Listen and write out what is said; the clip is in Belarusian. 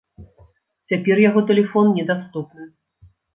Цяпер яго тэлефон недаступны.